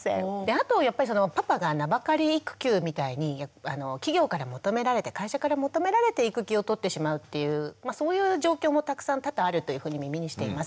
あとやっぱりそのパパが「名ばかり育休」みたいに企業から求められて会社から求められて育休を取ってしまうっていうそういう状況もたくさん多々あるというふうに耳にしています。